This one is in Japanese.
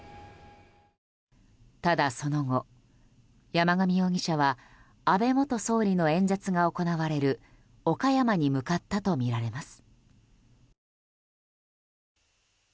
ただ、その後山上容疑者は安倍元総理の演説が行われる岡山に向かったとみられます。